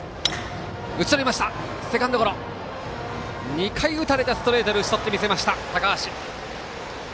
２回打たれたストレートで打ち取って見せました、高橋。